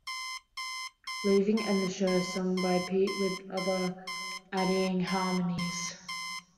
"Leaving" and "The Show" are sung by Pete with the others adding harmonies.